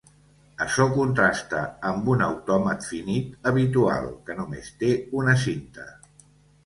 Açò contrasta amb un autòmat finit habitual, que només té una cinta.